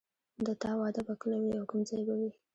د تا واده به کله وي او کوم ځای به وي